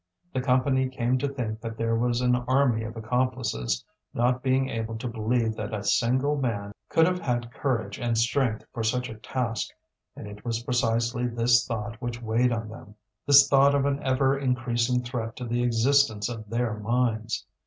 The Company came to think that there was an army of accomplices, not being able to believe that a single man could have had courage and strength for such a task; and it was precisely this thought which weighed on them, this thought of an ever increasing threat to the existence of their mines.